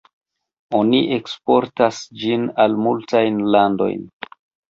Oni eksportas ĝin al multajn landojn.